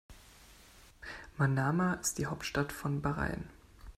Manama ist die Hauptstadt von Bahrain.